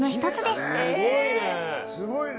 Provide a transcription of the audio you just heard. すごいね。